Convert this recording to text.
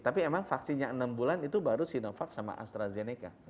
tapi emang vaksinnya enam bulan itu baru sinovac sama astrazeneca